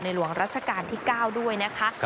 หลวงรัชกาลที่๙ด้วยนะคะ